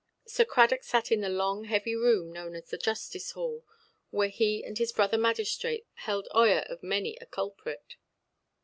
Sir Cradock sat in the long heavy room known as the "justice–hall", where he and his brother magistrates held oyer of many a culprit.